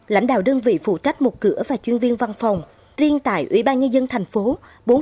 lãnh đạo đơn vị phụ trách một cửa và chuyên viên văn phòng riêng tại ủy ban nhân dân thành phố